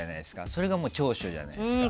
それがもう長所じゃないですか。